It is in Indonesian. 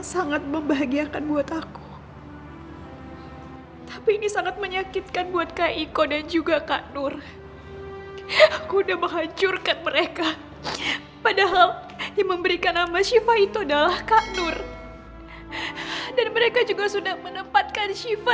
sampai jumpa di video selanjutnya